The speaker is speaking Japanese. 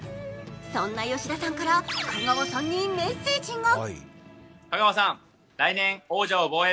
そんな吉田さんから香川さんにメッセージが。